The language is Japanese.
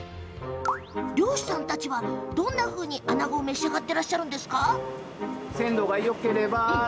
漁師さんたちは、どんなふうにあなごを召し上がっていらっしゃるんですか？